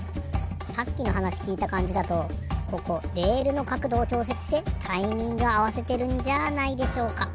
さっきのはなしきいたかんじだとここレールのかくどをちょうせつしてタイミングあわせてるんじゃないでしょうか？